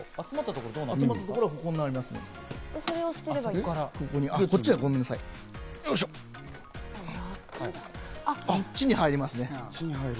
こっちに入りますね。